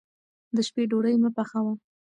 د شپې ډوډۍ مه پخوه.